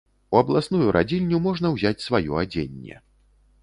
У абласную радзільню можна ўзяць сваё адзенне.